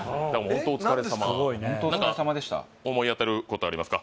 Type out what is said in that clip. ホントお疲れさまでした何か思い当たることありますか？